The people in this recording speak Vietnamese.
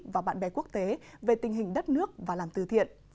và bạn bè quốc tế về tình hình đất nước và làm từ thiện